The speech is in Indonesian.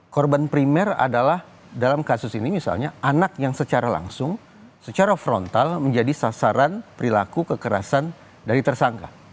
korban primer adalah dalam kasus ini misalnya anak yang secara langsung secara frontal menjadi sasaran perilaku kekerasan dari tersangka